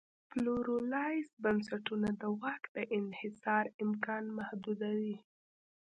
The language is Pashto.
پلورالایز بنسټونه د واک دانحصار امکان محدودوي.